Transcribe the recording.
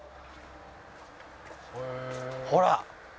ほら。